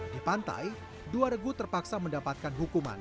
di pantai dua regu terpaksa mendapatkan hukuman